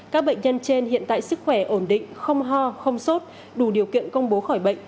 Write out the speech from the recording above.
các bệnh nhân trên hiện tại sức khỏe ổn định không ho không sốt đủ điều kiện công bố khỏi bệnh